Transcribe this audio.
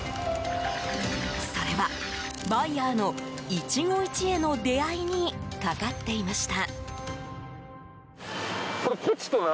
それは、バイヤーの一期一会の出会いにかかっていました。